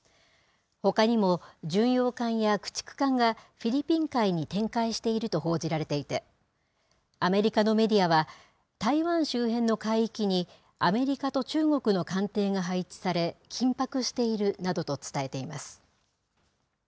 ほかにも巡洋艦や駆逐艦がフィリピン海に展開していると報じられていて、アメリカのメディアは、台湾周辺の海域に、アメリカと中国の艦艇が配置され、緊迫しているなどと伝えています。